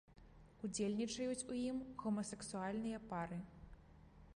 Удзельнічаюць у ім і гомасэксуальныя пары.